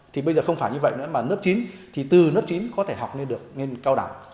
thì bây giờ không phải như vậy nữa mà lớp chín thì từ lớp chín có thể học lên được lên cao đẳng